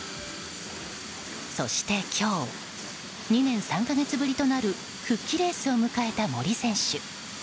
そして今日２年３か月ぶりとなる復帰レースを迎えた森選手。